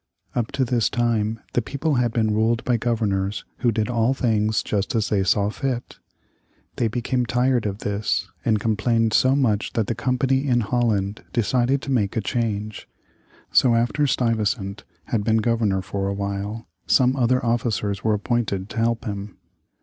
Up to this time the people had been ruled by governors who did all things just as they saw fit. They became tired of this, and complained so much that the Company in Holland decided to make a change. So after Stuyvesant had been Governor for a while, some other officers were appointed to help him.